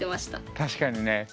確かにね。